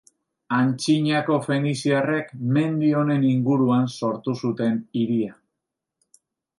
Antzinako feniziarrek mendi honen inguruan sortu zuten hiria.